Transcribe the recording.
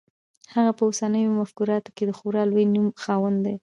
هغه په اوسنیو مفکرانو کې د خورا لوی نوم خاوند دی.